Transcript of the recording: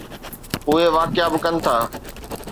اهي واقعا به ڪن ٿا.